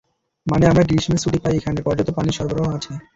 মানে, আমরা গ্রীষ্মের ছুটি পাই, এখানে পর্যাপ্ত পানির সরবরাহ আছে।